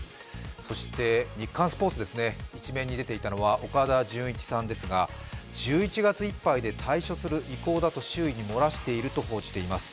そして「日刊スポーツ」ですね、１面に出ていたのは、岡田准一さんですが１１月いっぱいで退社する方向だと周囲に漏らしていると報じられています。